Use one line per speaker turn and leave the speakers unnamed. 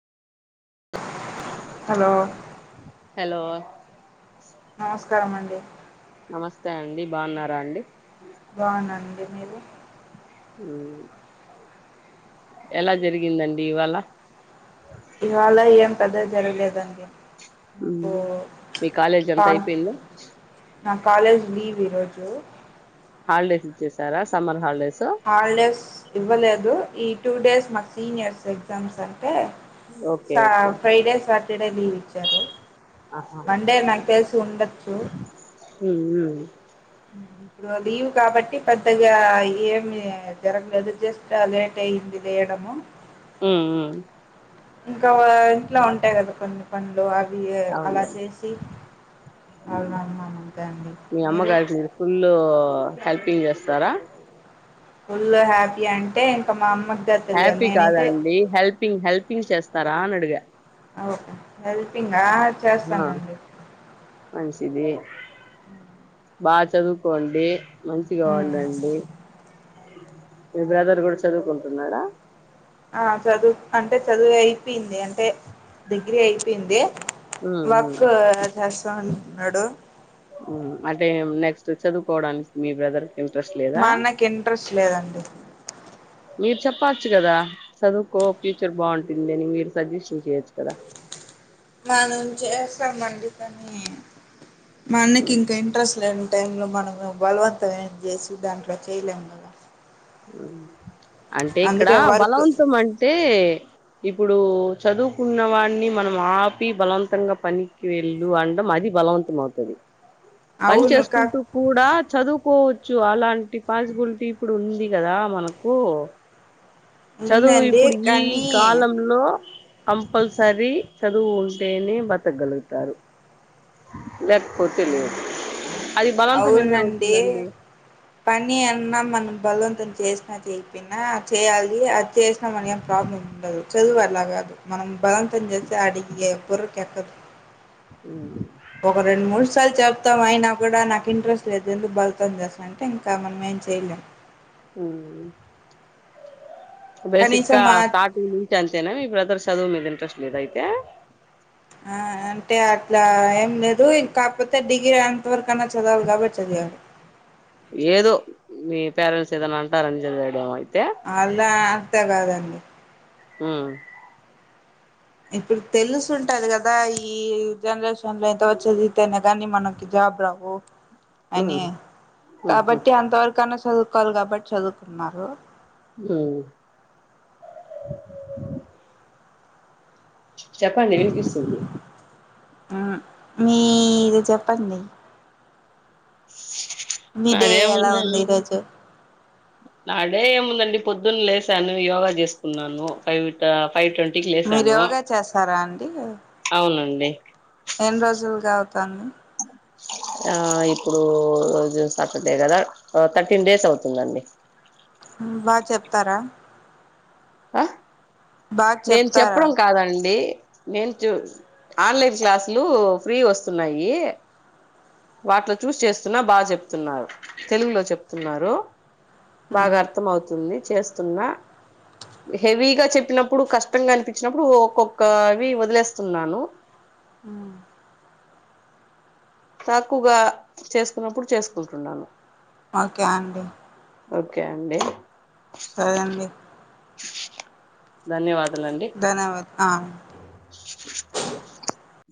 Hello
hello
తే
నమస్తే అండి బాన్నారా అండి
బాన్నానండి మీరు
హు ఎలా జరిగిందండి ఇవాళ
ఇవాళ ఏం పెద్దగ జరగలేదండి
హు
నాకు
మీ కాలేజ్
కా
అంతా అయిపేంద
నా కాలేజ్ లీవ్ ఈరోజు
హాలిడేస్ ఇచ్చేసారా సమ్మర్ హాలిడేస్
హాలిడేస్ ఇవ్వలేదు ఈ టూ డేస్ మాకు సీనియర్స్ ఎగ్జామ్స్ స తే
ఓకే
ఫా
ఓకే
ఫైవ్ డేస్ బాక్ ఇక్కడే దీవించారు
ఆహా
వండే నాకు తెలిసి ఉండొచ్చు ఇప్పుడు లీవ్ కాబట్టి పెద్దగా ఏమి జరగలేదు జస్ట్ లేట్ అయింది లేయడము
ఉ ఉ
పండ్లు
అవును ఉమ్
అవునవునవును అంతే అండి
మీ అమ్మగారికి మీరు ఫుల్ హెల్పింగ్ చేస్ స్తరా
ఫుల్ హ్యాపీ అంటే ఇంకా మా అమ్మకి గా తెలియాలి
హ్యాపీ
నేనైతే
కాదండి హెల్పింగ్ హెల్పింగ్ చేస్తారా అని అడిగా
ఓకే హెల్పింగ్ ఆ
ఆ,
చేస్తానండి
బా చదువుకోండి మంచిగా
మ్మ్
ఉండండి మీ బ్రదర్ కూడా చదువుకుంటున్నాడా
ఆ చదువు అంటే చదువు అయిపోయింది అంటే డిగ్రీ అయిపోయింది
ఉమ్,
వక్
ఉమ్.
చెస్ చన్నడు
ఉమ్ అంటే నెక్స్ట్ చదువుకోవడానికి మీ బ్రదర్ ఇంట్రెస్ట్ లేదా
మా అన్నకి ఇంట్రెస్ట్ లేదండి
ప్పచ్చు కదా చదువుకో ఫ్యూచర్ బాగుంటుంది అని మీరు సజెషన్ చేయొచ్చు కదా
మనం చేసంమండి కానీ మా అన్నకి ఇంకా ఇంట్రెస్ట్ లేదు టైంలో మనము బలవంతం ఏం చేసి దాంట్లో చేయలేము కదా
ఆ అంటే ఇక్కడ
అందుకే వర్క్
బలవంతం అంటే ఇప్పుడు చదువుకున్న వాడిని మనం ఆపి బలవంతంగా పనికి వెళ్ళు అండడం అది బలవంతం అవుతుంది పని
అవును కా
చేసుకుంటూ కూడా చదువు కోవచ్చు అలాంటి పాసిబిలిటీ ఇప్పుడు ఉంది దా మనకు చదువు
ఉందండి
ఇప్పుడు ఈ
కానీ
కాలంలో కంపల్సరీ చదువు ఉంటేనే బతకగలుగుతారు లేకపోతే లేదు అది బలవంతం ఎందుకు
అవునుండి
అవుతుందండి
పని అన్నా మనం బలం వంతం చేసినా చేయకపోయినా చేయాలి అది చేసినా మన ఏం ప్రాబ్లం ఉండదు చదువు అలా కాదు మనం బలంతం చేస్తే అడికి బర్రకు ఎక్కదు
ఉమ్
మొత్తం అయినా కూడా నాకు ఇంట్రెస్ట్ లేదు ఎందుకు బలివతం చేస్తా అంటే ఇంకా మనం ఏం చేయలేం
ఉమ్ బేసిక్
కనీసం
గా
ఆ
స్టార్టింగ్ నుంచి అంతేనా మీ బ్రదర్స్ చదువు మీద ఇంట్రెస్ట్ లేదైతే
అ అంటే అట్లా ఏం లేదు ఇం కాకపోతే డిగ్రీ అంతవరకు అన్నా చదవాలి కాబట్టి చదివాడు
ఏదో మీ పేరెంట్స్ ఏదైనా అంటారు అని చదివాడేమో
అలా అంత కాదం డి
మ్మ్
ఇప్పుడు తెలుసు ఉంటది కదా ఈ జనరేషన్ లో ఎంత వరకి చదువితేనే కానీ మనకి జాబ్ రావు
ఉమ్
అని
ఉమ్
కాబట్టి అంతవరకన్న చదువు కోవాలి కాబట్టి చదువుకున్నారు.
హ్మ్ చెప్పండి వినిపిస్తుంది
ఆ మీ ది చెప్ ప్పండి మీ డే ఎలా ఉంది
నాదేముందండి
ఈరోజు
నా డే ఏముందండి పొద్దున్న లేశాను, యోగా చేసుకున్నాను ఫైవ్ ఇట్టా
మీరు యోగా చేస్తారా అం
అవునండి
ఎన్ని రోజులుగా అవుతాంది
ఆ ఇప్పుడు సాటర్డే కదా థర్టీన్ డేస్ అవుతుందండి
బాగ చెప్తారా
ఆ
బాగా
నేను
చెప్తారా
చెప్పడం కాదండి నేన్ చూ ఆన్లైన్ క్లాసులు ఫ్రీ వస్తున్నాయి వాటిలో చూసి చేస్తున్నా బాగా చెప్తున్నారు. తెలుగులో చెప్తున్నారు. బాగా అర్థం అవుతుంది. చేస్తున్నా హెవీగా చెప్పినప్పుడు, కష్టంగా అనిపించినప్పుడు, ఒక్కొక్కవి వదిలేస్తున్నాను.
హ్మ్
తక్కువగా చేసుకున్నప్పుడు చేసుకుంటున్నాను
ఓకే అండి
ఓకే అండి
సరే అండి
ధన్యవాద లండి
ధన్యవాద